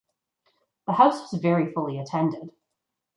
The house was very fully attended.